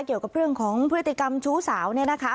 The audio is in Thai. เกี่ยวกับเรื่องของพฤติกรรมชู้สาวเนี่ยนะคะ